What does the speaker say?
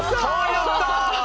やった！